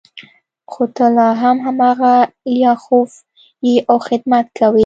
خو ته لا هم هماغه لیاخوف یې او خدمت کوې